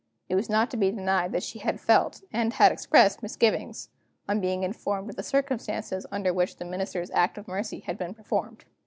It was not to be denied that she had felt, and had expressed, misgivings, on being informed of the circumstances under which the Minister's act of mercy had been performed.